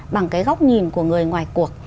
bằng cái góc nhìn của người ngoài cuộc